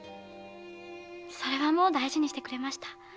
それはもう大事にしてくれました。